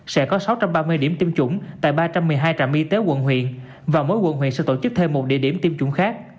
sẽ có sáu trăm ba mươi điểm tiêm chủng tại ba trăm một mươi hai trạm y tế quận huyện và mỗi quận huyện sẽ tổ chức thêm một địa điểm tiêm chủng khác